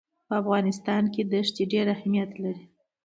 په افغانستان کې دښتې ډېر اهمیت لري.